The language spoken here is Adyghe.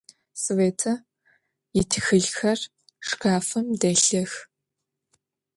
Svête yitxılhxer şşkafım delhıx.